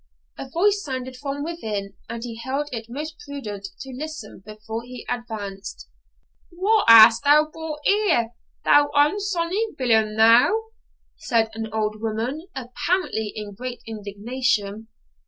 A voice sounded from within, and he held it most prudent to listen before he advanced. 'Wha hast thou brought here, thou unsonsy villain, thou?' said an old woman, apparently in great indignation.